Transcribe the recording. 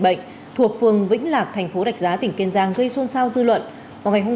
bệnh thuộc phường vĩnh lạc thành phố rạch giá tỉnh kiên giang gây xuân sao dư luận vào ngày hôm